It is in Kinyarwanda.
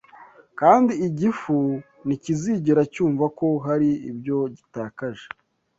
kandi igifu ntikizigera cyumva ko hari ibyo gitakaje